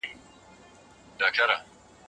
د ملکیار جملې لنډې او ډېرې ساده دي.